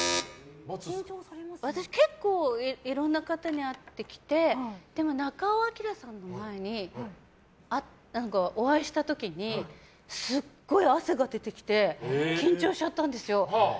私結構いろんな方に会ってきてでも、中尾彬さんにお会いした時にすごい汗が出てきて緊張しちゃったんですよ。